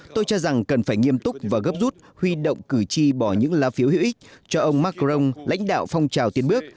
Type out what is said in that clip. tôi cho rằng cần phải nghiêm túc và gấp rút huy động cử tri bỏ những lá phiếu hữu ích cho ông macron lãnh đạo phong trào tiến bước